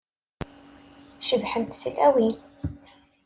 Cebḥent tlawin.